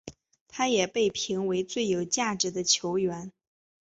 他也被评为最有价值球员。